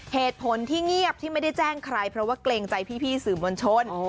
เหตุผลที่เงียบที่ไม่ได้แจ้งใครเพราะว่าเกรงใจพี่สื่อมวลชน